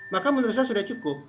maka menurut saya sudah cukup